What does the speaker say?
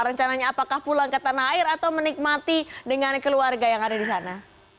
rencananya apakah pulang ke tanah air atau menikmati dengan keluarga yang ada di sana